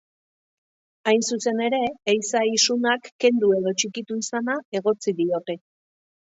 Hain zuzen ere, ehiza isunak kendu edo txikitu izana egotzi diote.